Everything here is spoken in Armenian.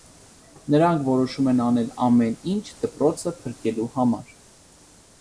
Նրանք որոշում են անել ամեն ինչ՝ դպրոցը փրկելու համար։